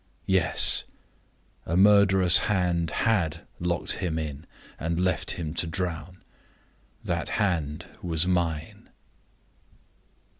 "Yes. A murderous hand had locked him in, and left him to drown. That hand was mine."